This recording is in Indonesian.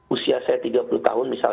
usia saya tiga puluh tahun misal